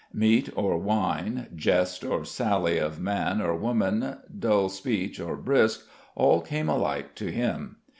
Meat or wine, jest or sally of man or woman, dull speech or brisk all came alike to him.